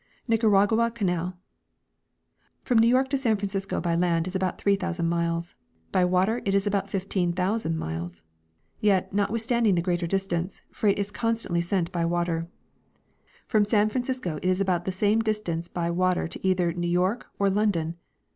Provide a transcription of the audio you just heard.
Nicaragua Canal. From New York to San Francisco by land is about 3,000 miles, by water it is about 15,000 miles ; yet, notwithstanding the 'greater distance, freight is constantly sent by Avater. From San Francisco it is about the same distance by water to either New York or London.